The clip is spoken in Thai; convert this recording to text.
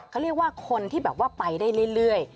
เขาเรียกว่าคนที่แบบว่าไปได้เรื่อย